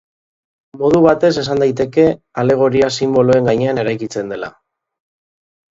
Modu batez esan daiteke alegoria sinboloen gainean eraikitzen dela.